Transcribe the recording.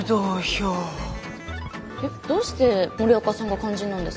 えっどうして森若さんが肝心なんですか？